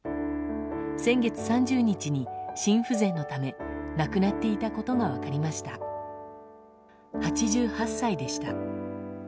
先月３０日に心不全のため亡くなっていたことが分かりました、８８歳でした。